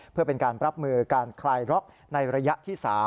เพื่อเป็นการรับมือการคลายล็อกในระยะที่๓